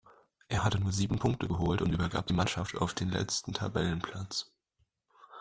Er hatte nur sieben Punkte geholt und übergab die Mannschaft auf dem letzten Tabellenplatz.